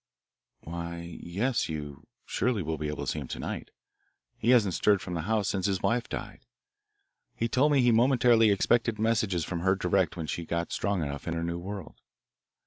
"Why, yes, you surely will be able to see him to night. He hasn't stirred from the house since his wife died. He told me he momentarily expected messages from her direct when she had got strong enough in her new world.